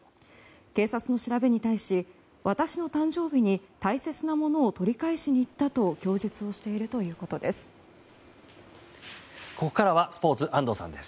警察の調べに対し私の誕生日に大切なものを取り返しに行ったと供述をしているということです。